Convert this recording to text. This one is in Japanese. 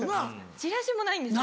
ちらしもないんですよ。